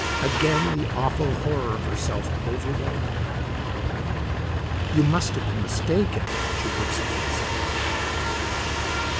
Again the awful horror of herself overwhelmed her. "You must have been mistaken," she heard Sophia say.